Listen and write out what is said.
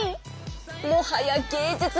もはや芸じゅつ！